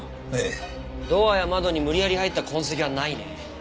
ドアや窓に無理やり入った痕跡はないね。